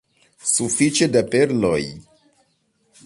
Sufiĉe da perloj?